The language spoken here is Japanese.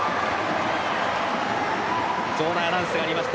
場内アナウンスがありました。